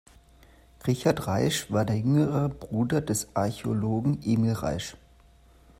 Richard Reisch war der jüngere Bruder des Archäologen Emil Reisch.